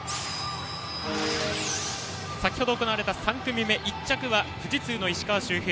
先程行われた３組目１着は富士通の石川周平